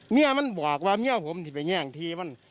เมียมันบอกว่าเมียผมที่ไปแย่งทีมัน